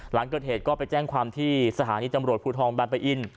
หลังเกิดเหตุก็ไปแจ้งความที่สถานีตำรวจภูทรบางปะอิน